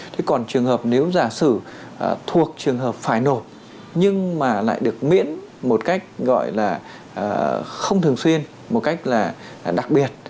thế còn trường hợp nếu giả sử thuộc trường hợp phải nộp nhưng mà lại được miễn một cách gọi là không thường xuyên một cách là đặc biệt